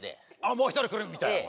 もう一人来るみたいだな